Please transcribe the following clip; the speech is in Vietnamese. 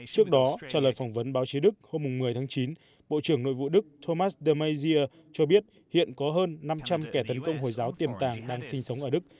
trước đó trả lời phỏng vấn báo chí đức hôm một mươi tháng chín bộ trưởng nội vụ đức thomas de mayer cho biết hiện có hơn năm trăm linh kẻ tấn công hồi giáo tiềm tàng đang sinh sống ở đức